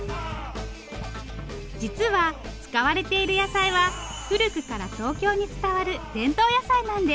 実は使われている野菜は古くから東京に伝わる伝統野菜なんです。